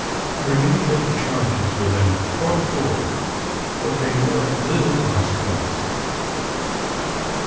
The remainder of the charges were then brought forward; but they were of little consequence.